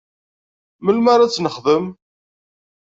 Melmi ara ad tt-nexdem?